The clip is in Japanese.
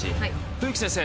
冬木先生